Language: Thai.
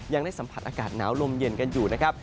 ยังได้สัมผัสอากาศหนาวลมเย็นกันอยู่นะครับ